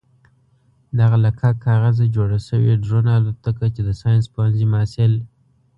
دغه له کاک کاغذه جوړه شوې ډرون الوتکه چې د ساينس پوهنځي محصل